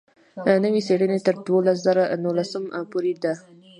نوې څېړنه تر دوه زره نولسم پورې ده.